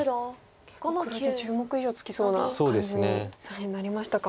結構黒地１０目以上つきそうな感じに左辺なりましたか。